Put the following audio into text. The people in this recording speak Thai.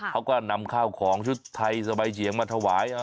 เขาก็นำข้าวของชุดไทยสบายเฉียงมาถวาย